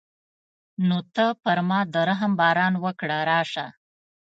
نو ته پر ما د رحم باران وکړه راشه.